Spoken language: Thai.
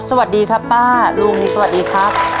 สวัสดีครับป้าลุงสวัสดีครับ